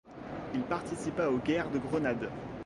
Il participa aux guerres de Grenade.